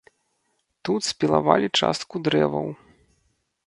Тут спілавалі частку дрэваў.